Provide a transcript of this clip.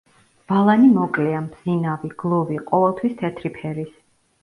ბალანი მოკლეა, მბზინავი, გლუვი, ყოველთვის თეთრი ფერის.